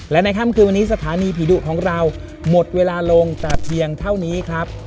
และในค่ำคืนวันนี้สถานีผีดุของเราหมดเวลาลงแต่เพียงเท่านี้ครับ